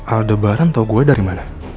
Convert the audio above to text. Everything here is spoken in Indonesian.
ada barang tau gue dari mana